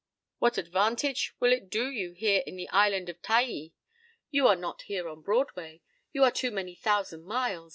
What advantage will it do you here in the island of Taai? You are not here on Broadway. You are too many thousand miles.